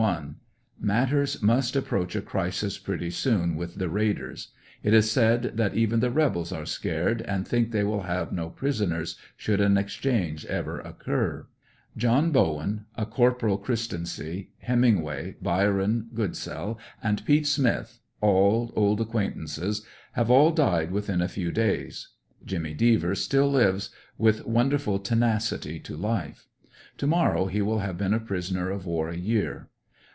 — Matters must approach a crisis pretty soon with the raiders. It is said that even the rebels are scared and think they will have no prisoners, should an exchange ever occur, John Bowen, a Corp. Christency, Hemmingway, Byron Goodsell and Pete Smith, old acquaintances, have all died within a few days. Jimmy Devers still lives, with wonderful tenacity to life To mor row he will have been a prisoner of war a year.